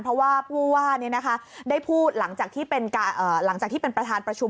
เพราะว่าผู้ว่าได้พูดหลังจากที่เป็นประธานประชุม